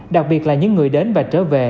đặc biệt là những người đến và trở về